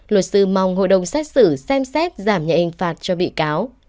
luật sư mong hội đồng xét xử xem xét giảm nhạy in phạt cho bị cáo